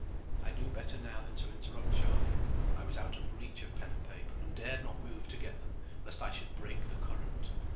I knew better now than to interrupt Charlie. I was out of reach of pen and paper, and dared not move to get them lest I should break the current.